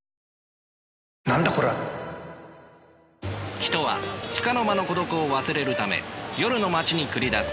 人はつかの間の孤独を忘れるため夜の街に繰り出す。